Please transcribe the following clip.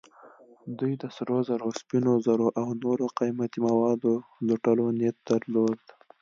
دوی د سرو زرو، سپینو زرو او نورو قیمتي موادو لوټلو نیت درلود.